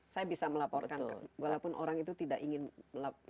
saya bisa melaporkan walaupun orang itu tidak ingin melaporkan